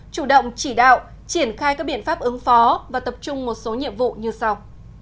chủ động chỉ đạo triển khai các biện pháp ứng phó và tập trung một số nhiệm vụ như sau